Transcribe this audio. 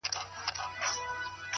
محرابونه به موخپل جومات به خپل وي٫